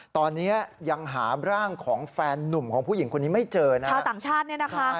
ตอนนี้ยังหาร่างของแฟนนุ่มของผู้หญิงคนนี้ไม่เจอนะชาวต่างชาติเนี่ยนะคะ